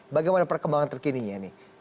bagaimana perkembangan terkininya